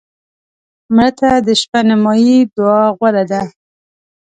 مړه ته د شپه نیمایي دعا غوره ده